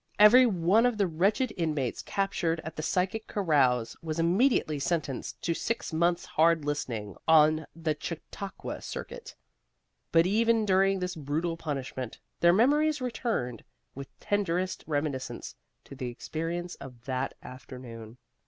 Every one of the wretched inmates captured at the psychic carouse was immediately sentenced to six months' hard listening on the Chautauqua circuit. But even during this brutal punishment their memories returned with tenderest reminiscence to the experience of that afternoon.